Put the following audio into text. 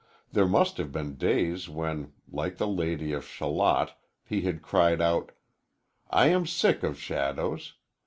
There must have been days when, like the Lady of Shalott, he had cried out, "I am sick of shadows!"